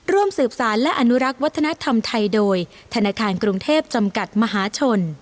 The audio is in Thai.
ร่วมสืบสารและอนุรักษ์วัฒนธรรมไทยโดยธนาคารกรุงเทพจำกัดมหาชน